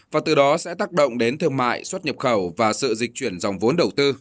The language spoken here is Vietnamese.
và từ đó sẽ tác động đến thương mại xuất nhập khẩu và sự dịch chuyển dòng vốn đầu tư